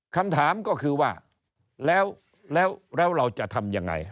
คำถามก็คือว่าแล้วเราจะทำยังไง